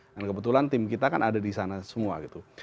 dan kebetulan tim kita kan ada di sana semua gitu